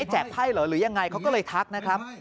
แจกไพ่เหรอหรือยังไงเขาก็เลยทักนะครับ